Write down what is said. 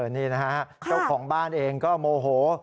นี่นะฮะเจ้าของบ้านเองก็โมโห